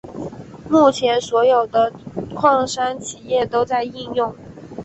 目前所有的矿山企业都在应用。